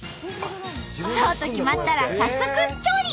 そうと決まったら早速調理。